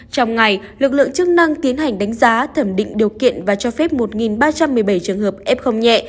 trong ngày lực lượng chức năng tiến hành đánh giá thẩm định điều kiện và cho phép một ba trăm một mươi bảy trường hợp f nhẹ